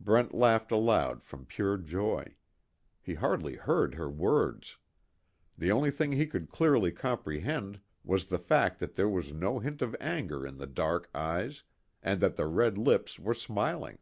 Brent laughed aloud from pure joy. He hardly heard her words. The only thing he could clearly comprehend was the fact that there was no hint of anger in the dark eyes, and that the red lips were smiling.